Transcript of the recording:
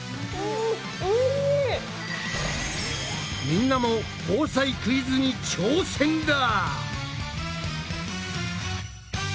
みんなも防災クイズに挑戦だ！